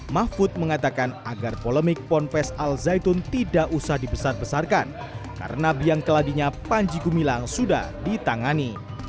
mahfud mengatakan agar polemik ponpes al zaitun tidak usah dibesar besarkan karena biang keladinya panji gumilang sudah ditangani